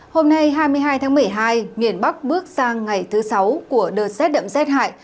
hôm nay hai mươi hai tháng một mươi hai miền bắc bước sang ngày thứ sáu của đợt rét đậm rét hại